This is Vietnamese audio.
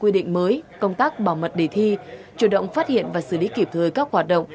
quy định mới công tác bảo mật đề thi chủ động phát hiện và xử lý kịp thời các hoạt động